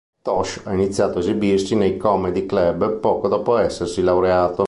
Tosh ha iniziato a esibirsi nei "comedy club" poco dopo essersi laureato.